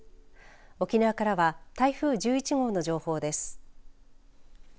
沖縄からは台風１１号の情報です。